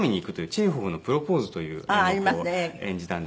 チェーホフの『プロポーズ』という演目を演じたんですけども。